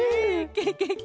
ケケケ。